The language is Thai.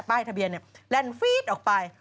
ป้ายทะเบียนเนี่ยแลนด์ฟี๊ดออกไป